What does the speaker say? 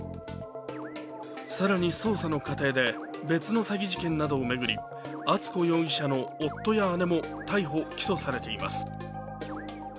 更に捜査の過程で別の詐欺事件などを巡り敦子容疑者の夫や姉も逮捕・起訴されています。